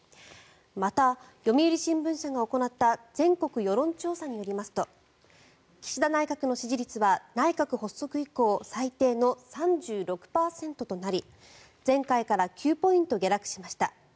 また、読売新聞社が行った全国世論調査によりますと岸田内閣の支持率は内閣発足以降最低の３６％となり前回から９ポイント下落しました。